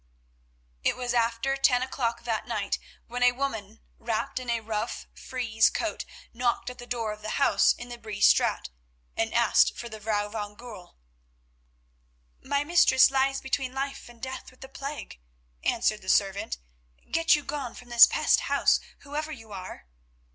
It was after ten o'clock that night when a woman, wrapped in a rough frieze coat, knocked at the door of the house in the Bree Straat and asked for the Vrouw van Goorl. "My mistress lies between life and death with the plague," answered the servant. "Get you gone from this pest house, whoever you are."